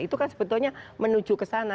itu kan sebetulnya menuju ke sana